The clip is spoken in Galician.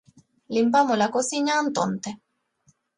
Limpamos a cociña antonte